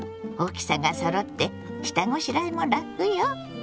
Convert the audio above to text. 大きさがそろって下ごしらえも楽よ。